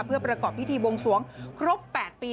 เพื่อประกอบพิธีบวงสวงครบ๘ปี